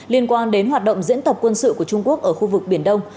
liên quan đến hoạt động diễn tập quân sự của trung quốc ở khu vực biển đông